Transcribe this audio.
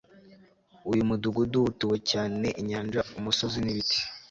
Uyu mudugudu utuwe cyane Inyanja umusozi nibiti